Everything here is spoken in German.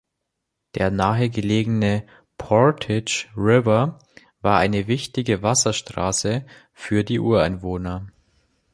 Der nahegelegene Portage River war eine wichtige Wasserstraße für die Ureinwohner.